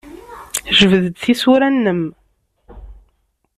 Jbed-d tisura-nnem.